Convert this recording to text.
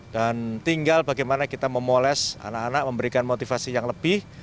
dan tinggal bagaimana kita memoles anak anak memberikan motivasi yang lebih